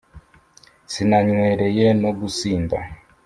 Sinanywereye no gusinda,